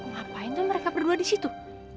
ngapain tuh mereka berdua di situ